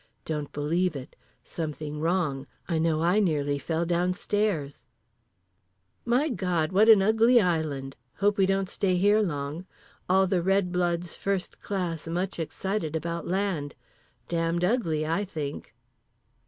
Don't believe it. Something wrong. I know I nearly fell downstairs…. My God what an ugly island. Hope we don't stay here long. All the red bloods first class much excited about land. Damned ugly, I think.